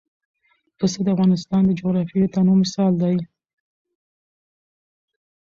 پسه د افغانستان د جغرافیوي تنوع مثال دی.